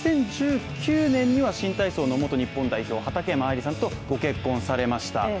２０１９年には、新体操の元日本代表畠山愛理さんとご結婚されました。